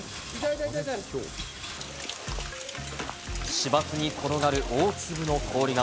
芝生に転がる大粒の氷が。